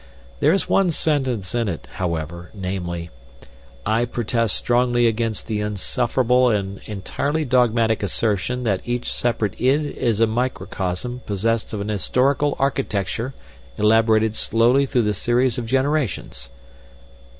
There is one sentence in it, however namely: 'I protest strongly against the insufferable and entirely dogmatic assertion that each separate id is a microcosm possessed of an historical architecture elaborated slowly through the series of generations.'